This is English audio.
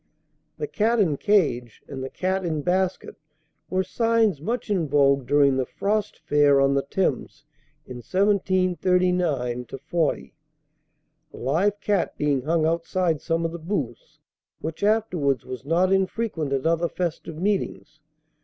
"The Cat and Cage" and "The Cat in Basket" were signs much in vogue during the frost fair on the Thames in 1739 40, a live cat being hung outside some of the booths, which afterwards was not infrequent at other festive meetings.